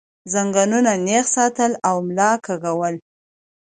زنګونان نېغ ساتل او ملا کږول